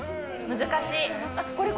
難しい。